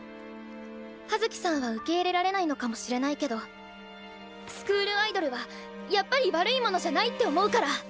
葉月さんは受け入れられないのかもしれないけどスクールアイドルはやっぱり悪いものじゃないって思うから。